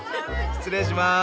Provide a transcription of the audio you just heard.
失礼します。